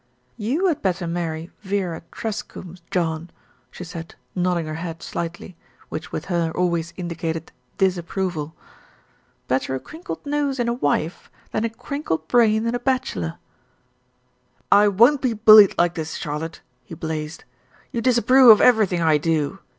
"You had better marry Vera Truscombe, John," she said, nodding her head slightly, which with her always indicated disapproval. "Better a crinkled nose in a wife than a crinkled brain in a bachelor." "I won't be bullied like this, Charlotte," he blazed. "You disapprove of everything I do.